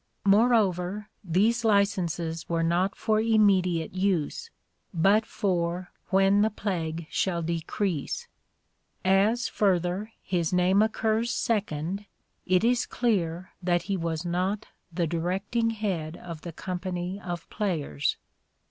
Moreover, these licenses were not for immediate use, but for " when the plague shall decrease." As, further, his name occurs second* it is clear that he was not the directing head of the company of players.